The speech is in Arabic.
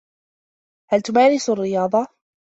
هل تمارس الرياضة؟